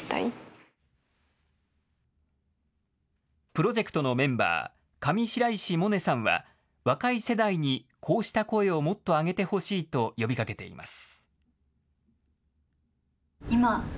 プロジェクトのメンバー、上白石萌音さんは若い世代にこうした声をもっと上げてほしいと呼びかけています。